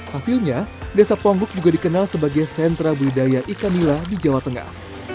hasilnya desa pongok juga dikenal sebagai sentra budidaya ikan nila di jawa tengah